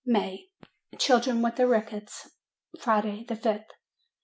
MAY CHILDREN WITH THE RICKETS Friday, 5th.